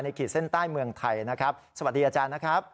ขีดเส้นใต้เมืองไทยนะครับสวัสดีอาจารย์นะครับ